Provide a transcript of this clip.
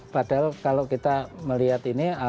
padahal kalau kita melihat ini